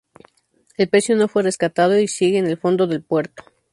El pecio no fue rescatado y sigue en el fondo del puerto.